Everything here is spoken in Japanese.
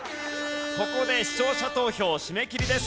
ここで視聴者投票締め切りです。